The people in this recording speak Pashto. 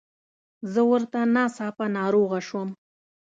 زه ورته ناڅاپه ناروغه شوم.